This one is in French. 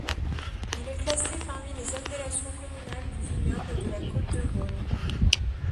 Il est classé parmi les appellations communales du vignoble de la côte de Beaune.